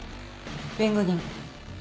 弁護人。